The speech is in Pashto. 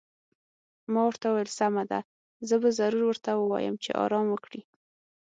ما ورته وویل: سمه ده، زه به ضرور ورته ووایم چې ارام وکړي.